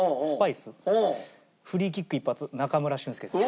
フリーキック一発中村俊輔さん。